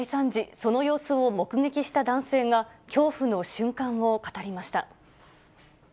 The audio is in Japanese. その様子を目撃した男性が、恐怖の瞬間を語りました。